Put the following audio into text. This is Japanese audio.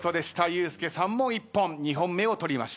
ユースケさんも一本２本目を取りました。